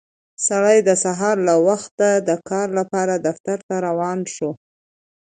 سړی د سهار له وخته د کار لپاره دفتر ته روان شو